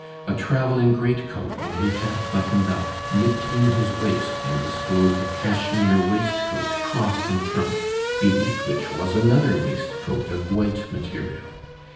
A travelling great coat, only half buttoned up, nipped in his waist and disclosed a cashmere waistcoat crossed in front, beneath which was another waistcoat of white material.